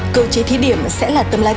cơ chế thí điểm sẽ là tâm lai